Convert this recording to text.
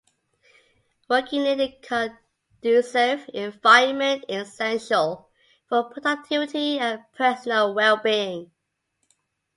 Working in a conducive environment is essential for productivity and personal well-being.